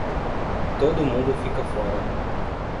Todo mundo fica fora